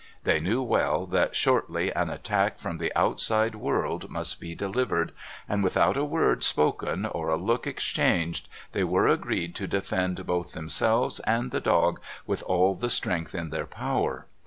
They knew well that shortly an attack from the Outside World must be delivered, and without a word spoken or a look exchanged they were agreed to defend both themselves and the dog with all the strength in their power.